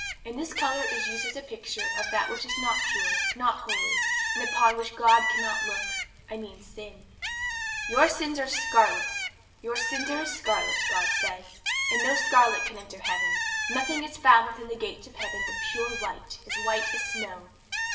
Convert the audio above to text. And this colour is used as a picture of that which is not pure, not holy, that upon which God cannot look I mean sin. 'Your sins are as scarlet, God says; and no scarlet can enter heaven; nothing is found within the gates of heaven but pure white, as white as snow.